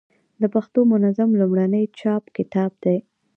د پښتو منظم لومړنی چاپي کتاب دﺉ.